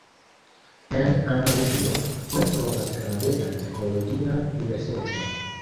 En Andaluzio, oni trovas grandegan ekologian diversecon.